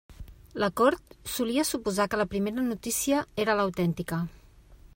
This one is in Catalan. La cort solia suposar que la primera notícia era l'autèntica.